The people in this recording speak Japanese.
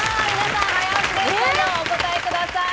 どんどんお答えください。